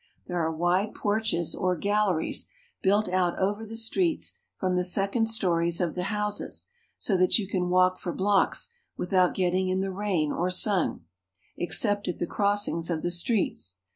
There are wide porches, or galleries, built out over the streets from the second stories of the houses, so that you can walk for blocks without getting in the rain or sun, except at the crossings of the streets.